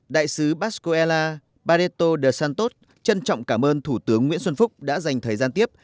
đại sứ bascuela barreto de santos trân trọng cảm ơn thủ tướng nguyễn xuân phúc đã dành thời gian tiếp